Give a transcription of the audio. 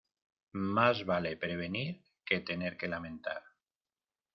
Más vale prevenir que tener que lamentar.